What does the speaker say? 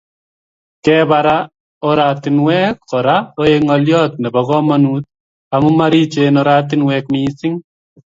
Kebara oratinwek Kora koek ngolyot nebo komonut amu marichen oratinwek missing